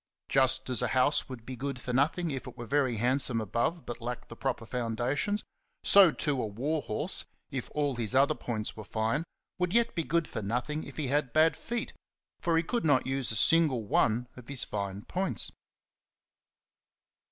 ^ Just as a house would be good for nothing if it were very handsome above but lacked the proper foundations, so too a war horse, even if all his other points were fine, would yet be good for nothing if he had bad feet; for he could not use a single one of his fine points.